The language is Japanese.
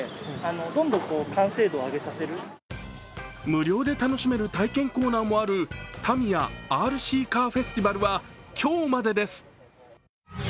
無料で楽しめる体験コーナーもあるタミヤＲＣカーフェスティバルは今日までです。